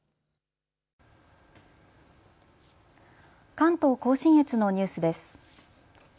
関東甲信越のニュースです。